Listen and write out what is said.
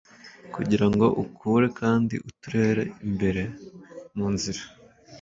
Kugirango ukure kandi utere imbere munzira